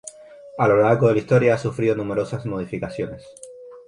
A lo largo de la historia ha sufrido numerosas modificaciones.